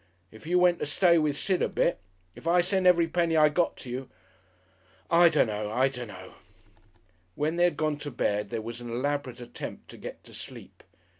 If you went to stay with Sid a bit if I sent every penny I got to you I dunno! I dunno!" When they had gone to bed there was an elaborate attempt to get to sleep....